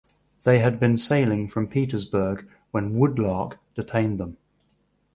They had been sailing from Petersburg when "Woodlark" detained them.